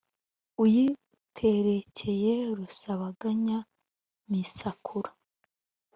Uyiterekeye Rusabaganya-misakura